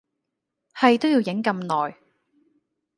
係都要影咁耐